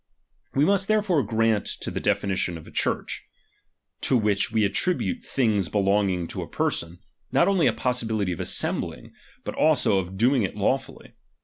We must there ^| fore grant to the definition of a Church, to which ^H we attribute things belonging to a person, not oidy ^H a possibility of assembling, but also of doing it law ^M fully.